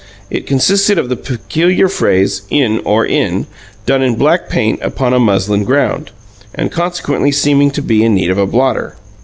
It consisted of the peculiar phrase "In Or In" done in black paint upon a muslin ground, and consequently seeming to be in need of a blotter.